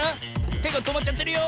てがとまっちゃってるよ。